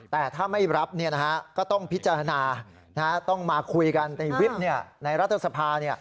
แต่ถ้าไม่รับก็ต้องพิจารณาต้องมาคุยกันในวิบในรัฐสภา